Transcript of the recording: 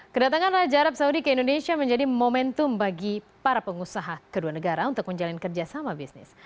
kedatangan raja arab saudi ke indonesia menjadi momentum bagi para pengusaha kedua negara untuk menjalin kerjasama bisnis